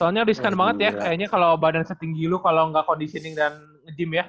soalnya riskan banget ya kayaknya kalo badan setting gilu kalo gak conditioning dan gym ya